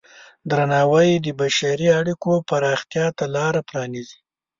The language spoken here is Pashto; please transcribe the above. درناوی د بشري اړیکو پراختیا ته لاره پرانیزي.